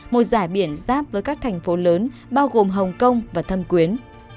một giải biển giáp với các thành phố lớn bao gồm hồng kông và thâm quyến